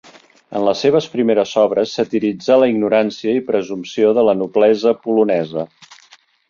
En les seves primeres obres satiritzà la ignorància i presumpció de la noblesa polonesa.